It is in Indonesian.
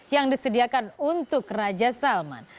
yang disediakan untuk raja salman